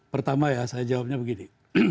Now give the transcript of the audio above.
pertama ya saya jawabnya begini